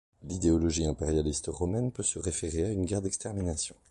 L'idéologie impérialiste romaine peut se référer à une guerre d'extermination.